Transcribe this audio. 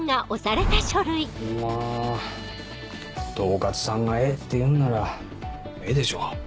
まぁ統括さんがええって言うんならええでしょう。